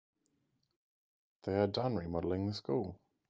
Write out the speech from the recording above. They are done remodeling the school.